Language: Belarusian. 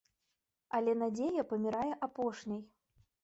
Але надзея памірае апошняй.